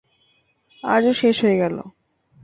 আজ ও শেষ হয়ে গেলো।